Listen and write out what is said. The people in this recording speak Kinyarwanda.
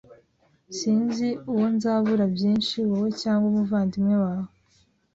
Sinzi uwo nzabura byinshi, wowe cyangwa umuvandimwe wawe.